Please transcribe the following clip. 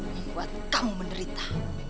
membuat kamu menerita